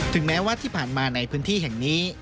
แม้ว่าที่ผ่านมาในพื้นที่แห่งนี้